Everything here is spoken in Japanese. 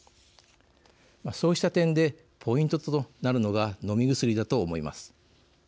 そうした点でポイントとなるのが飲み薬だと思います。